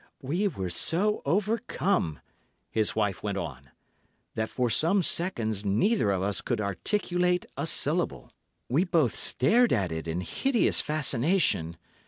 "We were so overcome," his wife went on, "that for some seconds neither of us could articulate a syllable. We both stared at it in hideous fascination.